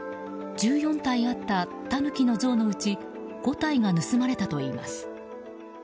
１４体あったタヌキの像のうち５体が盗まれたといいます。